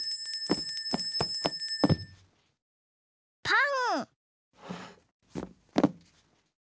パン。